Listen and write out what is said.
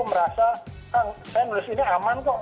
merasa saya menulis ini aman kok